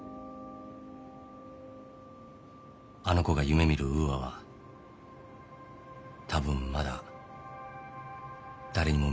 あの子が夢見るウーアは多分まだ誰にも見えない。